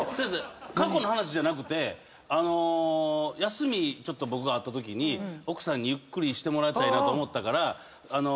過去の話じゃなくて休みちょっと僕あったときに奥さんにゆっくりしてもらいたいなと思ったから。